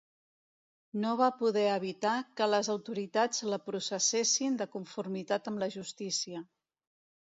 No va poder evitar que les autoritats la processessin de conformitat amb la justícia.